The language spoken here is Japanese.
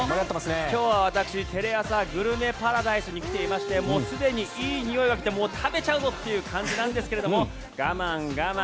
今日は私テレアサグルメパラダイスに来ていましてすでにいいにおいが来て食べちゃうぞという感じなんですが我慢、我慢。